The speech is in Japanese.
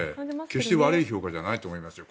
決して悪い表現じゃないと思いますよ。